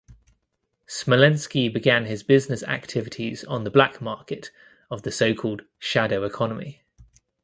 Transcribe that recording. Smolensky began his business activities on the black market of the so-called "shadow economy".